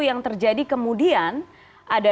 yang terjadi kemudian ada